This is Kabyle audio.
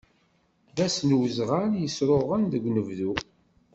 D ass n uzɣal yesruɣen deg unebdu.